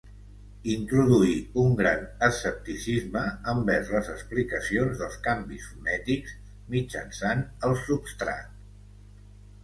Introduí un gran escepticisme envers les explicacions dels canvis fonètics mitjançant el substrat.